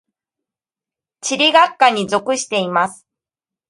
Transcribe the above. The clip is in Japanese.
地理学科に属しています。